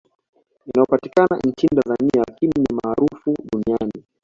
Inayopatikana nchini Tanzania lakini ni maarufu duniani